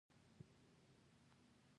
هغه ځای د اسنادو لپاره خوندي و.